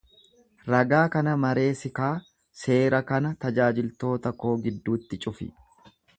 Ragaa kana maree sikaa, seera kana tajaajiltoota koo gidduutti cufi.